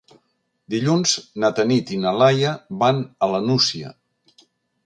Dilluns na Tanit i na Laia van a la Nucia.